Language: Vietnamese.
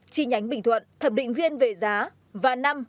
chi nhánh bình thuận thẩm định viên về giá